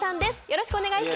よろしくお願いします。